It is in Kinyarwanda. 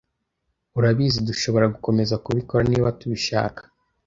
Urabizi, dushobora gukomeza kubikora niba tubishaka.